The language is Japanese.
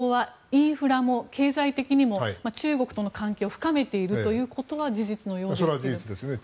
今、その金門島はインフラも経済的にも中国との関係を深めているということは事実のようですが。